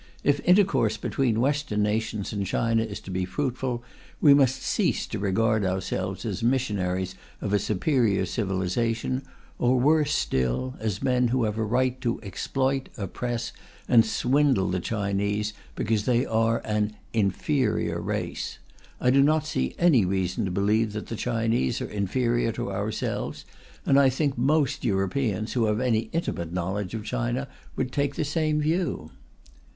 If intercourse between Western nations and China is to be fruitful, we must cease to regard ourselves as missionaries of a superior civilization, or, worse still, as men who have a right to exploit, oppress, and swindle the Chinese because they are an "inferior" race. I do not see any reason to believe that the Chinese are inferior to ourselves; and I think most Europeans, who have any intimate knowledge of China, would take the same view.